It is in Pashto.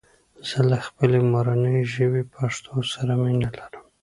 زه له خپلي مورني ژبي پښتو سره مينه لرم